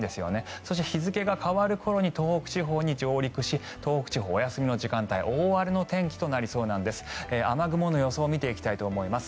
そして、日付が変わる頃に東北地方に上陸し東北地方はお休みの時間帯大荒れの天気となりそうです。